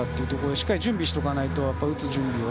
しっかり準備しておかないと打つ準備を。